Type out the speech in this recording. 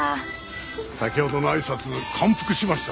先ほどのあいさつ感服しました。